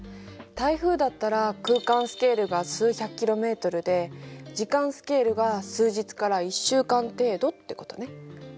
台風だったら空間スケールが数百ｋｍで時間スケールが数日から１週間程度ってことね。